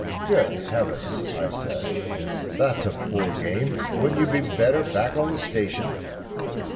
"Good Heavens!" I said, "that's a poor game. Wouldn't you be better back on the station?"